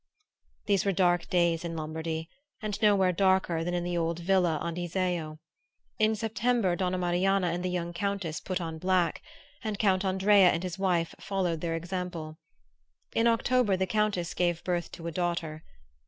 These were dark days in Lombardy; and nowhere darker than in the old villa on Iseo. In September Donna Marianna and the young Countess put on black, and Count Andrea and his wife followed their example. In October the Countess gave birth to a daughter.